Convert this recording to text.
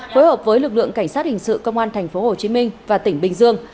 phối hợp với lực lượng cảnh sát hình sự công an tp hcm và tỉnh bình dương